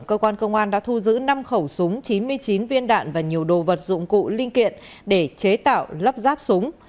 cơ quan công an đã thu giữ năm khẩu súng chín mươi chín viên đạn và nhiều đồ vật dụng cụ linh kiện để chế tạo lắp ráp súng